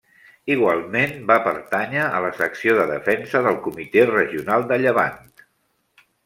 Igualment va pertànyer a la Secció de Defensa del Comité Regional de Llevant.